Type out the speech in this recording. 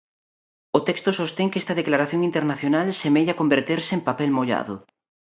O texto sostén que esta declaración internacional "semella converterse en papel mollado".